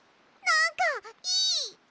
なんかいい！